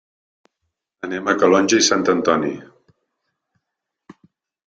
Anem a Calonge i Sant Antoni.